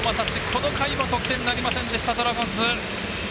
この回も得点なりませんでしたドラゴンズ。